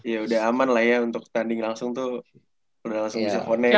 ya udah aman lah ya untuk tanding langsung tuh udah langsung bisa connect gitu ya